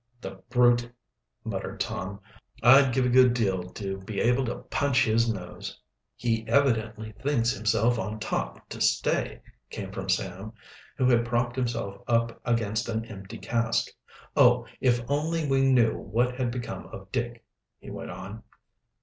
"The brute," muttered Tom. "I'd give a good deal to be able to punch his nose!" "He evidently thinks himself on top to stay," came from Sam, who had propped himself up against an empty cask. "Oh, if only we knew what had become of Dick!" he went on.